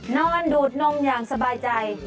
ดูดนมอย่างสบายใจ